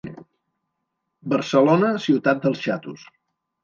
Barcelona, ciutat dels xatos.